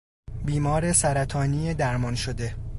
بیمار سرطانی درمان شده